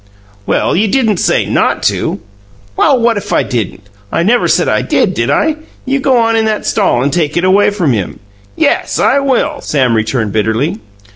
"Well, you didn't say not to." "Well, what if I didn't? I never said I did, did I? You go on in that stall and take it away from him." "YES, I will!" Sam returned bitterly.